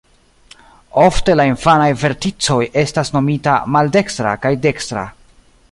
Ofte la infanaj verticoj estas nomita "maldekstra" kaj "dekstra".